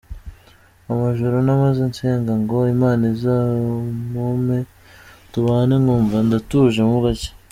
amajoro namaze nsenga ngo Imana izamumpe tubane nkumva ndatuje mo gake.